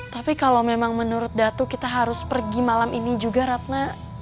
tapi kalau memang menurut datu kita harus pergi malam ini juga ratna